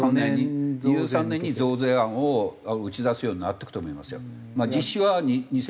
２０２３年に増税案を打ち出すようになっていくと思いますよ。